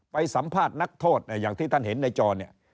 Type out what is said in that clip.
ไปสัมภาษณ์นักโทษอย่างที่ท่านเห็นในจอเนี่ย